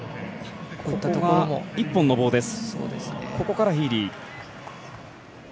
一本の棒です。